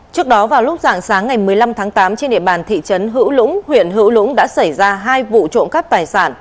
trước đó vào lúc dạng sáng ngày một mươi năm tháng tám trên địa bàn thị trấn hữu lũng huyện hữu lũng đã xảy ra hai vụ trộm cắp tài sản